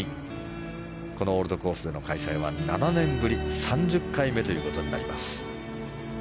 このオールドコースでの開催は７年ぶり３０回目ということになります。